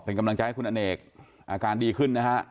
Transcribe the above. เป็นกำลังใจให้คุณอเนกอาการดีขึ้นนะฮะ